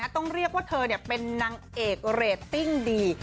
ต้องเรียกว่าเธอเป็นนางเอกเรตติ้งดี